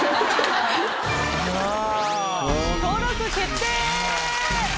登録決定！